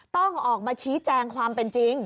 ต้องออกมาชี้แจงความเป็นจริง